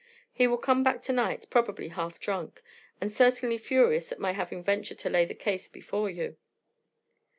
He will come back tonight probably half drunk, and certainly furious at my having ventured to lay the case before you."